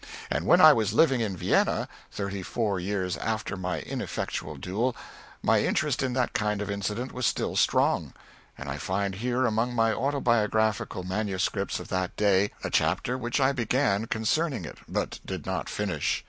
And when I was living in Vienna, thirty four years after my ineffectual duel, my interest in that kind of incident was still strong; and I find here among my Autobiographical manuscripts of that day a chapter which I began concerning it, but did not finish.